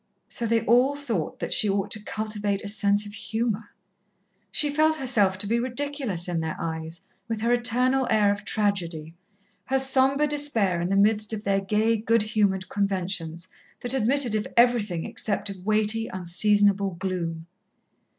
So they all thought that she ought to cultivate a sense of humour. She felt herself to be ridiculous in their eyes, with her eternal air of tragedy, her sombre despair in the midst of their gay, good humoured conventions, that admitted of everything except of weighty, unseasonable gloom.